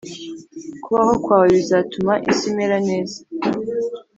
kubaho kwawe bizatuma isi imera neza,